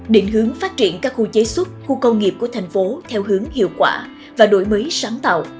định hướng phát triển các khu chế xuất khu công nghiệp của thành phố theo hướng hiệu quả và đổi mới sáng tạo